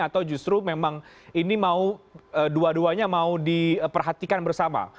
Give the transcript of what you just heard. atau justru memang ini mau dua duanya mau diperhatikan bersama